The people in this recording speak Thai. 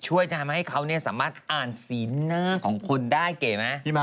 ช่วยทำให้เขาสามารถอ่านสีหน้าของคุณได้เก๋ไหม